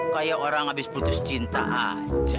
kayak orang habis putus cinta aja